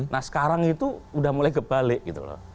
nah sekarang itu udah mulai kebalik gitu loh